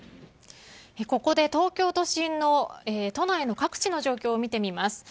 ここで東京都心の都内の各地の状況を見てみます。